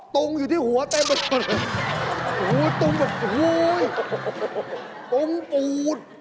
ตุ้งอยู่ที่หัวเต็มโอ้โฮตุ้งแบบโอ้โฮตุ้งปูด